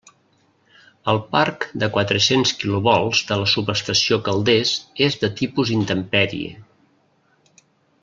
El parc de quatre-cents kilovolts de la subestació Calders és de tipus intempèrie.